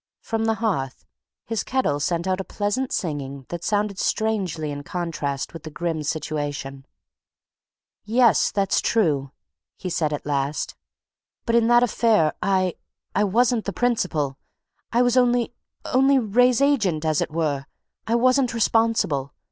From the hearth his kettle sent out a pleasant singing that sounded strangely in contrast with the grim situation. "Yes, that's true," he said at last. "But in that affair I I wasn't the principal. I was only only Wraye's agent, as it were: I wasn't responsible.